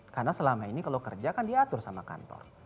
karena selama ini kalau kerja kan diatur sama kantor